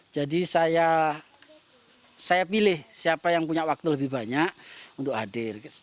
jadi saya pilih siapa yang punya waktu lebih banyak untuk hadir